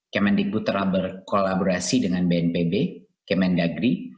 kemendikbud telah berkolaborasi dengan bnpb kemendagri